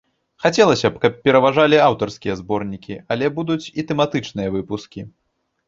Хацелася б, каб пераважалі аўтарскія зборнікі, але будуць і тэматычныя выпускі.